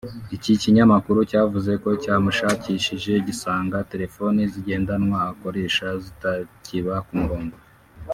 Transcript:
iki kinyamakuru cyavuze ko cyamushakishije gisanga telefone zigendanwa akoresha zitakiba ku murongo